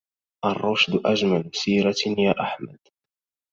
الرشد أجمل سيرة يا أحمد